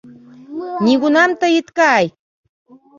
Нигунам тый ит кай!